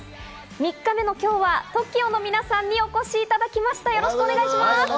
３日目の今日はＴＯＫＩＯの皆さんにお越しいただきました。